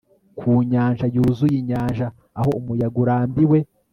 Ku nyanja yuzuye inyanja Aho umuyaga urambiwe